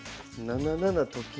７七と金？